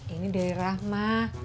ini dari rahma